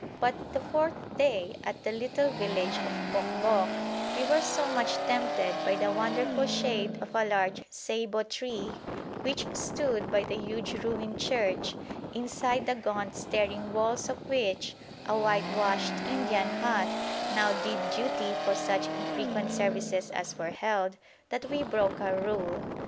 But the fourth day at the little village of Pokboc we were so much tempted by the wonderful shade of a large ceibo tree which stood by the huge ruined church, inside the gaunt staring walls of which a whitewashed Indian hut now did duty for such infrequent services as were held, that we broke our rule.